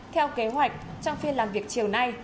theo kế hoạch trong phiên làm việc chiều nay